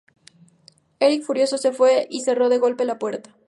Eric furioso se fue y cerró de golpe la puerta.